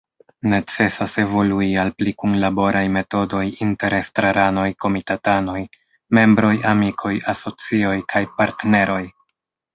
Necesas evolui al pli kunlaboraj metodoj inter estraranoj, komitatanoj, membroj, amikoj, asocioj kaj partneroj.